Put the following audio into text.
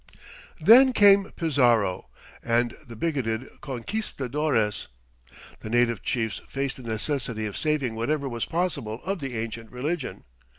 Then came Pizarro and the bigoted conquistadores. The native chiefs faced the necessity of saving whatever was possible of the ancient religion.